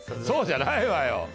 そうじゃないわよ！